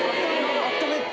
あっためは？